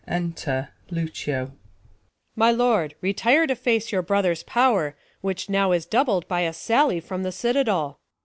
Enter Lucio. Luc. My lord, retire to face your brother's pow'r, Which now is doubled by a sally from The citadel.